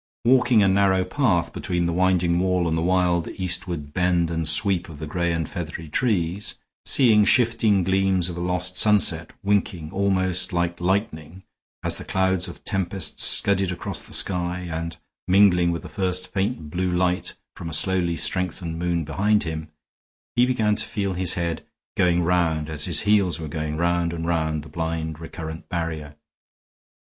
Walking a narrow path between the winding wall and the wild eastward bend and sweep of the gray and feathery trees, seeing shifting gleams of a lost sunset winking almost like lightning as the clouds of tempest scudded across the sky and mingling with the first faint blue light from a slowly strengthened moon behind him, he began to feel his head going round as his heels were going round and round the blind recurrent barrier.